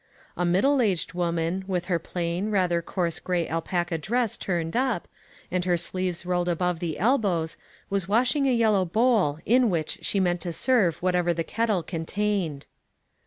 A middle aged woman, with her plain, rather coarse gray alpaca dress turned up, and her sleeves rolled above the elbows, was washing a yellow bowl in which she meant to serve whatever the ket tle contained.